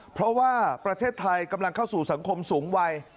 เพราะว่าประเทศไทยกำลังเข้าสู่สังคมสูงวัย